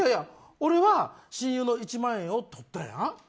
俺は親友の１万円を取ったやん